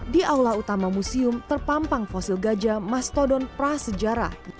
di aula utama museum terpampang fosil gajah mastodon prasejarah